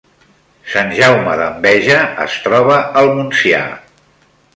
Sant Jaume d’Enveja es troba al Montsià